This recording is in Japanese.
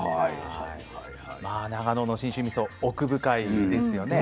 まあ長野の信州みそ奥深いですよね。